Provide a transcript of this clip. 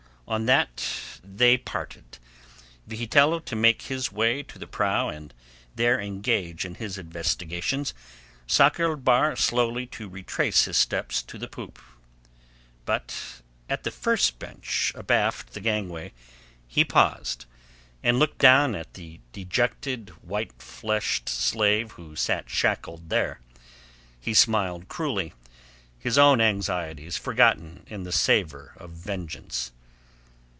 On that they parted, Vigitello to make his way to the prow and there engage in his investigations, Sakr el Bahr slowly to retrace his steps to the poop. But at the first bench abaft the gangway he paused, and looked down at the dejected, white fleshed slave who sat shackled there. He smiled cruelly, his own anxieties forgotten in the savour of vengeance.